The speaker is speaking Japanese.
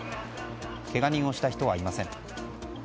けが人をした人はいません。